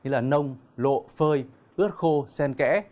như là nông lộ phơi ướt khô sen kẽ